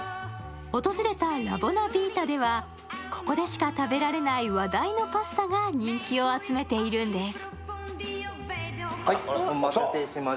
訪れたＬＡＢＵＯＮＡＶＩＴＡでは、ここでしか食べられない話題のパスタが人気を集めているんです。